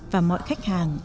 và mọi khách hàng